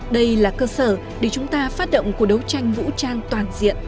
đây là cơ sở để chúng ta phát động cuộc đấu tranh vũ trang toàn diện